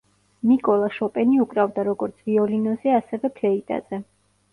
მიკოლა შოპენი უკრავდა როგორც ვიოლინოზე, ასევე ფლეიტაზე.